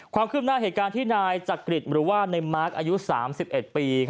ความคืบหน้าเหตุการณ์ที่นายจักริตหรือว่าในมาร์คอายุ๓๑ปี